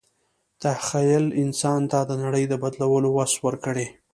تخیل انسان ته د نړۍ د بدلولو وس ورکړی.